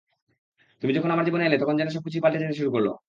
তুমি যখন আমার জীবনে এলে, তখন যেন সবকিছুই পাল্টে যেতে শুরু করল।